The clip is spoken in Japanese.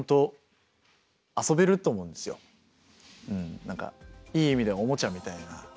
やっぱでも何かいい意味でおもちゃみたいな。